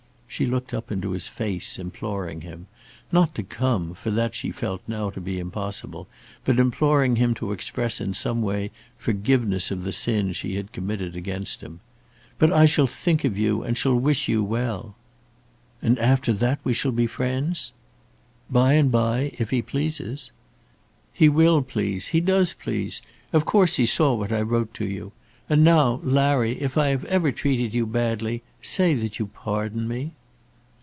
She looked up into his face imploring him, not to come, for that she felt now to be impossible, but imploring him to express in some way forgiveness of the sin she had committed against him. "But I shall think of you and shall wish you well." "And after that we shall be friends?" "By and bye, if he pleases." "He will please; he does please. Of course he saw what I wrote to you. And now, Larry, if I have ever treated you badly, say that you pardon me."